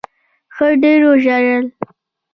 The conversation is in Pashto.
ښه ډېر وژړل.